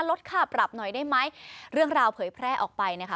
ลดค่าปรับหน่อยได้ไหมเรื่องราวเผยแพร่ออกไปนะคะ